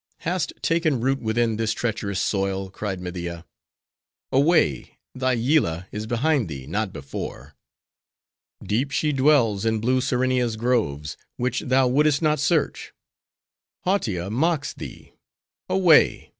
"Hast taken root within this treacherous soil?" cried Media. "Away! thy Yillah is behind thee, not before. Deep she dwells in blue Serenia's groves; which thou would'st not search. Hautia mocks thee; away!